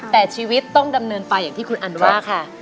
แต่ชีวิตต้องดำเนินไปอย่างที่คุณอันว่าค่ะ